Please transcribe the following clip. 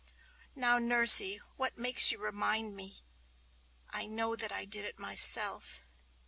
Now, Nursey, what makes you remind me? I know that I did it myself!